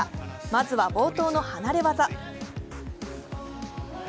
まずは冒頭の離れ技。